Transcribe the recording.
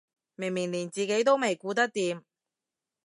明明連自己都未顧得掂